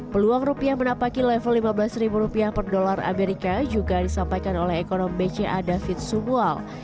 peluang rupiah menapaki level lima belas ribu rupiah per dolar amerika juga disampaikan oleh ekonom bca david subual